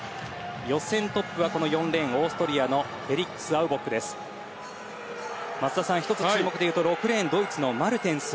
予選トップは４レーン、オーストリアのフェリックス・アウボックです。